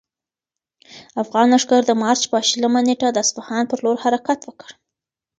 افغان لښکر د مارچ په شلمه نېټه د اصفهان پر لور حرکت وکړ.